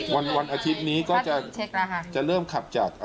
วันอาทิตย์นี้ก็จะเริ่มขับจาก